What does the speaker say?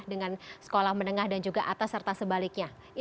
dengan sekolah menengah dan juga atas serta sebaliknya